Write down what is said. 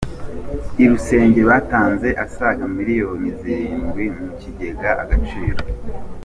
I Rusenge batanze asaga miliyoni zirindwi mukigega agaciro